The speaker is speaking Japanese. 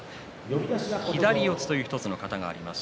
左四つという型があります。